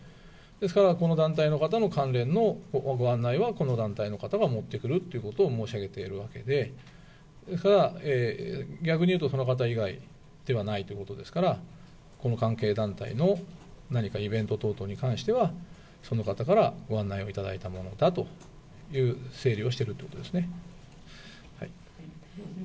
ですから、この団体の方の関連の案内はこの団体の方が持ってくるってことを申し上げているわけで、ただ逆に言うと、その方以外ではないということですから、この関係団体の何かイベント等々に関しては、その方からご案内を頂いたものだという整理をしてるってことですね。